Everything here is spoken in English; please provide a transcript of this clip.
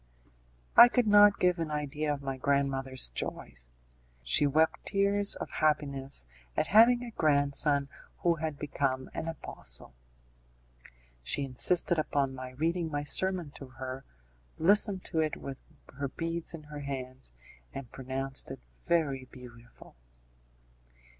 I could not give an idea of my grandmother's joy; she wept tears of happiness at having a grandson who had become an apostle. She insisted upon my reading my sermon to her, listened to it with her beads in her hands, and pronounced it very beautiful.